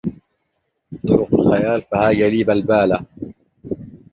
طرق الخيال فهاج لي بلبالا